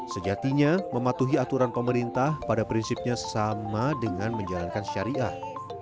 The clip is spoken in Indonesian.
sejatinya mematuhi aturan pemerintah pada prinsipnya sama dengan menjalankan syariah